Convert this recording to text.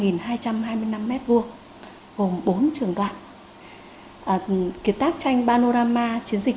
kiệt tác tranh panorama toàn cảnh tái hiện chiến dịch điện biên phổ năm xưa được đánh giá là bức tranh lớn nhất đông nam á